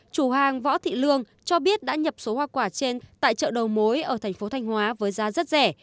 chủ hàng võ thị lương cho biết đã nhập số hoa quả trên tại chợ đầu mối ở thành phố thanh hóa với giá rất rẻ